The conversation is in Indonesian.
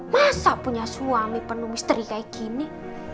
masa punya suami penuh misteri kayak gini